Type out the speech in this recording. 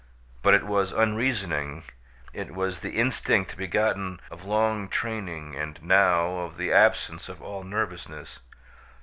But it was unreasoning; it was the instinct begotten of long training and, now, of the absence of all nervousness.